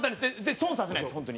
損させないです、本当に。